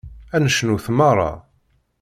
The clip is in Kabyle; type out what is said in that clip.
Ad necnut meṛṛa.